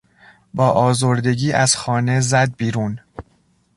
با آزردگی از خانه زد بیرون.